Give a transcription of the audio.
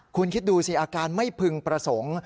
คุณคิดดูสิอาการไม่พึงประสงค์